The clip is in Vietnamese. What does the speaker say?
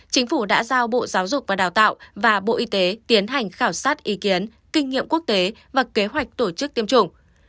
chính phủ đã giao bộ giáo dục và đào tạo và bộ y tế tiến hành khảo sát ý kiến kinh nghiệm quốc tế và kế hoạch tổ chức tiêm chủng